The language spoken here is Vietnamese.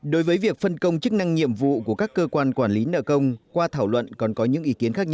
đối với việc phân công chức năng nhiệm vụ của các cơ quan quản lý nợ công